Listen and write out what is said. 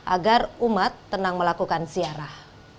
agar umat tenang melakukan ziarah